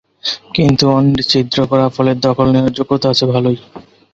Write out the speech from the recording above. কিন্তু অন্যের ছিদ্র করা ফলে দখল নেওয়ার যোগ্যতা আছে ভালোই।